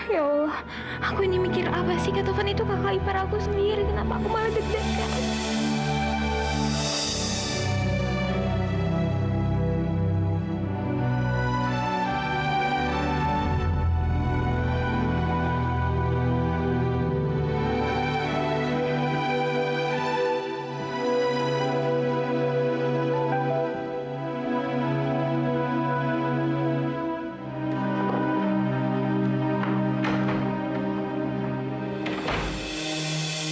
ya allah aku ini mikir apa sih kak taufan itu kakak ipar aku sendiri kenapa aku malah deg degan